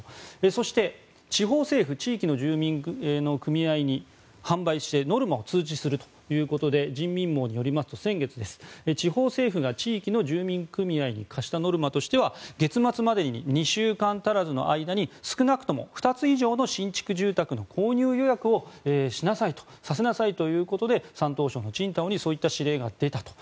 そして地方政府地域の住民の組合に販売してノルマを通知するということで人民網によりますと先月地方政府が地域の住民組合に課したノルマとしては月末までの２週間足らずの間に少なくとも２つ以上の新築住宅の購入予約をしなさいとさせなさいということで山東省の青島にそういった指令が出たと。